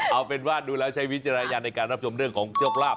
เอาเป็นวาดดูแล้วใช้วิจารณ์ในการรับชมเรื่องของเจ้าคราบ